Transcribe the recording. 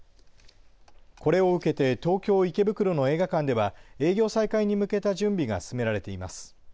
これを受けて東京池袋の映画館では営業再開に向けた準備が進められています。